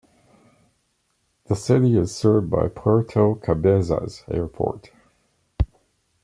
The city is served by Puerto Cabezas Airport.